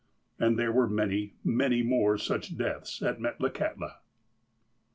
And there were to be many, many more such deaths at Metlakahtla.